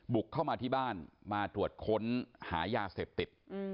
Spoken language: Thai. บุกเข้ามาที่บ้านมาตรวจค้นหายาเสพติด